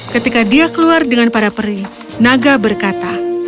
ketika dia keluar dengan para peri naga berkata